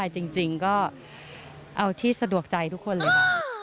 จริงก็เอาที่สะดวกใจทุกคนเลยค่ะ